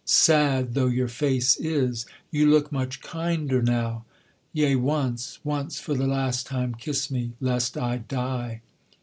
sad Though your face is, you look much kinder now; Yea once, once for the last time kiss me, lest I die.'